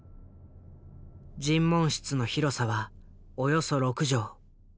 尋問室の広さはおよそ６畳。